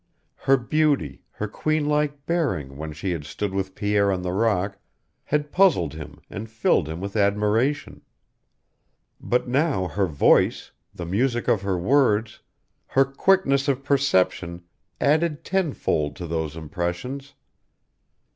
Her beauty, her queen like bearing, when she had stood with Pierre on the rock, had puzzled him and filled him with admiration. But now her voice, the music of her words, her quickness of perception added tenfold to those impressions.